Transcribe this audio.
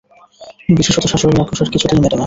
বিশেষত শাশুড়ির আক্রোশ আর কিছুতেই মেটে না।